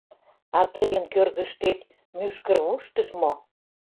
А тыйын кӧргышкет, мӱшкырвуштыш, мо?